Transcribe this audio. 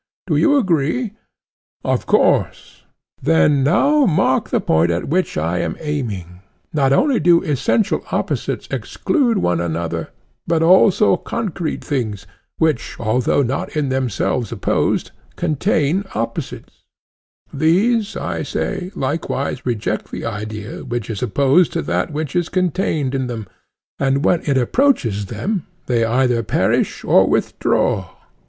Do you agree? Of course. Then now mark the point at which I am aiming:—not only do essential opposites exclude one another, but also concrete things, which, although not in themselves opposed, contain opposites; these, I say, likewise reject the idea which is opposed to that which is contained in them, and when it approaches them they either perish or withdraw.